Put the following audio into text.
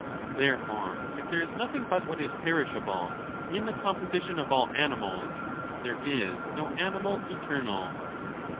Therefore, if there is nothing but what is perishable in the composition of all animals, there is no animal eternal.